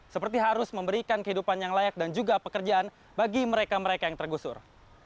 seperti harus memberikan kehidupan yang layak dan juga pekerjaan bagi mereka mereka yang tergusur